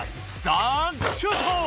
「ダンクシュート！